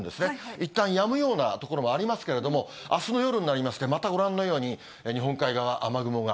いったんやむような所もありますけれども、あすの夜になりまして、またご覧のように日本海側、雨雲が。